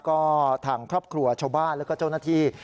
ก็ทางครอบครัวชาวบ้านแล้วก็เจ้าหน้าที่